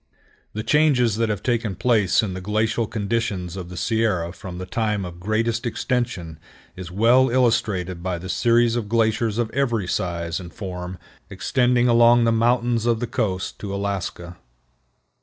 The changes that have taken place in the glacial conditions of the Sierra from the time of greatest extension is well illustrated by the series of glaciers of every size and form extending along the mountains of the coast to Alaska.